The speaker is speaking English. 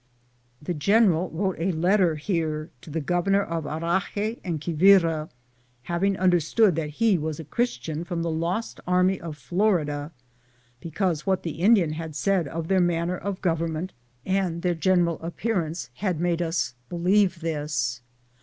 The general wrote a letter here to the gov ernor of Harahey and Quibiia, having under stood that he was a Christian from the lost army of Florida, because what the T"dia n had said of their manner of government and their general character had made us believe this.